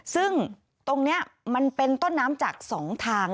ซึ่งตรงนี้มันเป็นต้นน้ำจาก๒ทาง